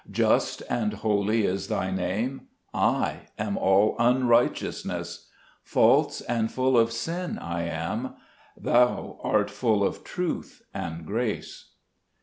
Just and holy is Thy Name ; I am all unrighteousness ; False and full of sin I am, Thou art full of truth and grace.